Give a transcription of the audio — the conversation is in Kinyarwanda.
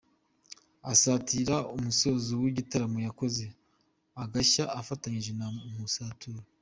Asatira umusozo w’igitaramo yakoze agashya afatanyije na Nkusi Arthur.